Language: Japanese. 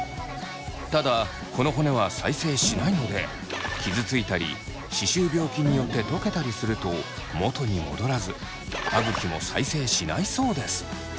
ただこの骨は再生しないので傷ついたり歯周病菌によって溶けたりすると元に戻らず歯ぐきも再生しないそうです。